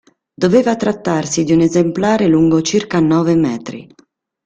Doveva trattarsi di un esemplare lungo circa nove metri.